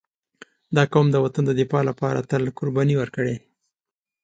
• دا قوم د وطن د دفاع لپاره تل قرباني ورکړې.